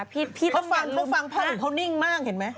เพราะฟังเพราะอุ่นเขานิ่งมากเห็นไหม